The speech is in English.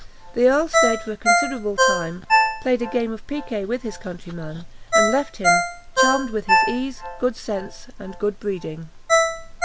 The earl stayed for a considerable time, played a game of piquet with his countryman, and left him, charmed with his ease, good sense, and good breeding.